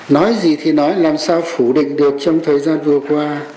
nói gì thì nói làm sao phủ định được trong thời gian vừa qua